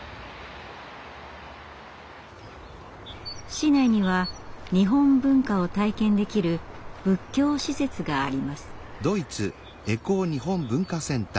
市内には日本文化を体験できる仏教施設があります。